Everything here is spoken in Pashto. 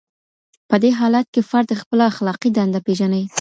په دې حالت کي فرد خپله اخلاقي دنده پېژني.